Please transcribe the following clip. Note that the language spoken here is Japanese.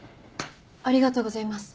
ありがとうございます。